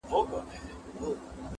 • زوی یې غوښتی خیر یې نه غوښتی -